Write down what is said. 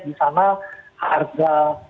di sana harga